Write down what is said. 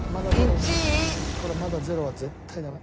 これまだゼロは絶対ダメ。